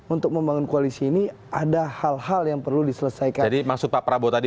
untuk membangun koalisi ini ada hal hal yang perlu diselesaikan maksud pak prabowo tadi